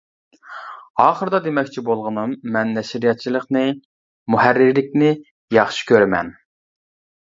ئاخىرىدا دېمەكچى بولغىنىم، مەن نەشرىياتچىلىقنى، مۇھەررىرلىكنى ياخشى كۆرىمەن.